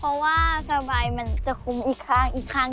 เพราะว่าสบายมันจะคุ้มอีกขั้ง